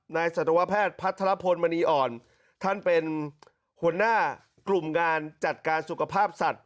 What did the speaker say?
สัตวแพทย์พัทรพลมณีอ่อนท่านเป็นหัวหน้ากลุ่มงานจัดการสุขภาพสัตว